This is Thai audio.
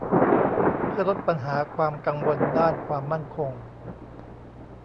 เพื่อลดปัญหาความกังวลด้านความมั่นคง